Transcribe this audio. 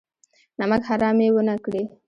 نمک حرامي ونه کړي.